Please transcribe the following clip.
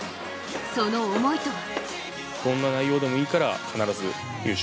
その思いとは。